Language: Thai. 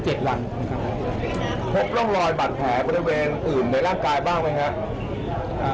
พบลงรอยบัดแผลบริเวณอื่นในร่างกายบ้างไหม